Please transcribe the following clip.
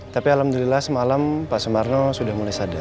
tapi alhamdulillah semalam pak sumarno sudah mulai sadar